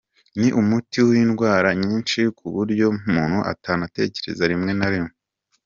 Ni umuti w’indwara nyinshi ku buryo muntu atanatekereza rimwe na rimwe.